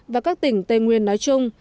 và các tỉnh tây nguyên nói chung